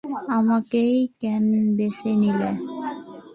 আমাকেই কেন বেছে নিলে?